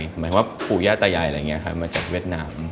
หมายถึงว่าภูเย่าตายายอะไรอย่างเงี้ยค่ะมาจากเวียดนาม